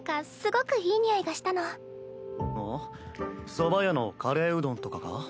そば屋のカレーうどんとかか？